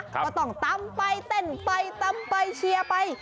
ก็ต้องตำไปเต้นไปตำไปเชียร์ไป